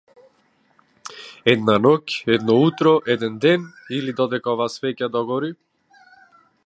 Една ноќ, едно утро, еден ден или додека оваа свеќа догори?